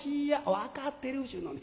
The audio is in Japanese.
「分かってるちゅうのに。